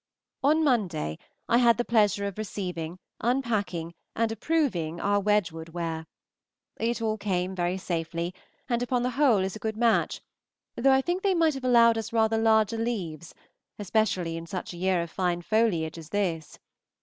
On Monday I had the pleasure of receiving, unpacking, and approving our Wedgwood ware. It all came very safely, and upon the whole is a good match, though I think they might have allowed us rather larger leaves, especially in such a year of fine foliage as this.